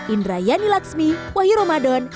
indra yani laksmi wahiro madon